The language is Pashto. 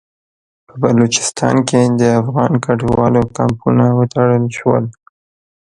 په بلوچستان کې د افغان کډوالو کمپونه وتړل شول.